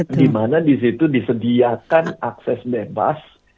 dimana disitu disediakan akses bebas